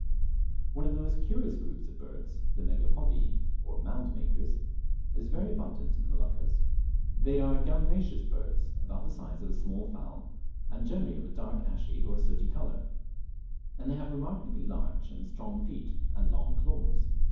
One of the most curious groups of birds, the Megapodii, or mound makers, is very abundant in the Moluccas. They are gallinaceous birds, about the size of a small fowl, and generally of a dark ashy or sooty colour, and they have remarkably large and strong feet and long claws.